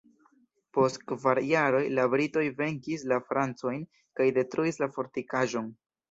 Post kvar jaroj, la britoj venkis la francojn kaj detruis la fortikaĵon.